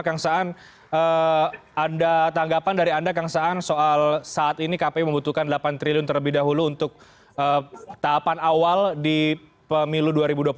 kang saan ada tanggapan dari anda kang saan soal saat ini kpu membutuhkan delapan triliun terlebih dahulu untuk tahapan awal di pemilu dua ribu dua puluh empat